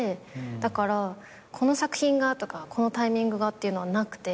だからこの作品がとかこのタイミングがっていうのはなくて。